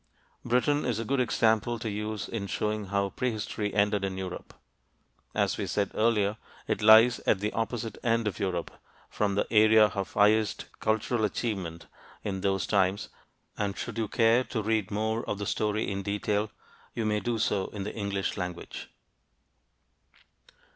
Britain is a good example to use in showing how prehistory ended in Europe. As we said earlier, it lies at the opposite end of Europe from the area of highest cultural achievement in those times, and should you care to read more of the story in detail, you may do so in the English language.